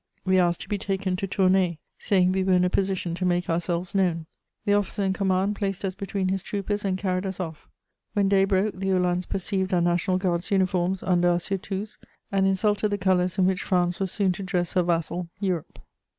We asked to be taken to Tournay, saying we were in a position to make ourselves known. The officer in command placed us between his troopers and carried us off. When day broke, the uhlans perceived our national guards' uniforms under our surtouts, and insulted the colours in which France was soon to dress her vassal, Europe.